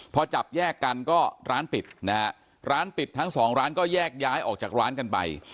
พอจับแยกกันก็ร้านปิดนะฮะร้านปิดทั้งสองร้านก็แยกย้ายออกจากร้านกันไป